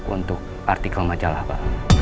untuk artikel majalah pa